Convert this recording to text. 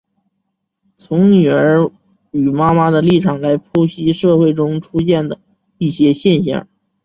从女儿与妈妈的立场来剖析社会中出现的一些现象。